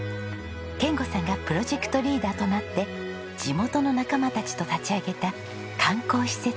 賢吾さんがプロジェクトリーダーとなって地元の仲間たちと立ち上げた観光施設です。